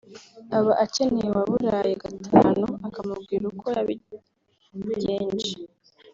aba akeneye uwaburaye gatanu akamubwira uko yabigenje